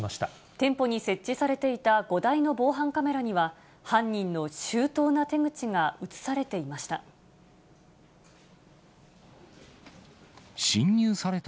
店舗に設置されていた５台の防犯カメラには、犯人の周到な手口が写されていました。